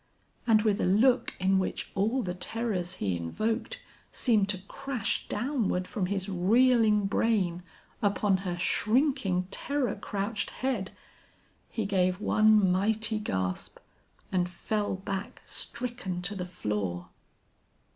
And with a look in which all the terrors he invoked, seemed to crash downward from his reeling brain upon her shrinking terror crouched head, he gave one mighty gasp and fell back stricken to the floor.